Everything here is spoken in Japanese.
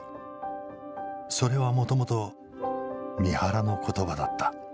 それはもともと三原の言葉だった。